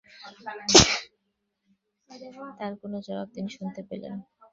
তার কোনো জবাব তিনি শুনতে পেলেন।